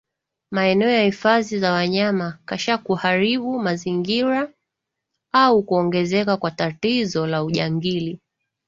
maeneo ya hifadhi za wanyama kasha kuharibu mazingira au kuongezeka kwa tatizo la ujangili